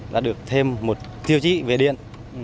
đã được thêm một tiêu chí về điện